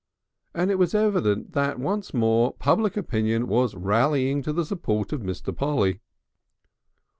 and it was evident that once more public opinion was rallying to the support of Mr. Polly.